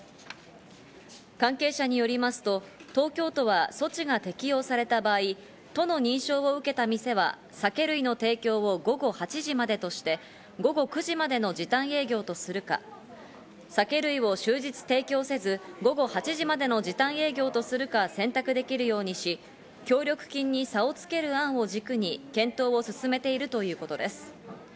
関係者によりますと、東京都は措置が適用された場合、都の認証を受けた店は酒類の提供を午後８時までとして、午後９時までの時短営業とするか、酒類を終日提供せず、午後８時までの時短営業とするか選択できるようにし、協力金に差をつける案を軸に検討を進めているということです。